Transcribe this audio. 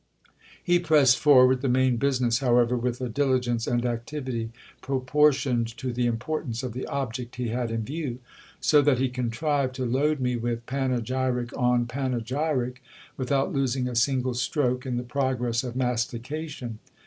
He pressed forward the main business, however, with a diligence and activity proportioned to the im portance of the object he had in view : so that he contrived to load me with panegyric on panegyric, without losing a single stroke in the progress of masti cation.